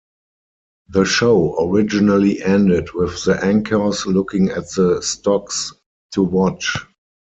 The show originally ended with the anchors looking at the Stocks to Watch.